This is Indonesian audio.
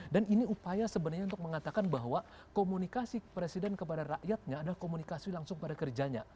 dan ini upaya sebenarnya untuk mengatakan bahwa komunikasi presiden kepada rakyatnya adalah komunikasi langsung pada kerjanya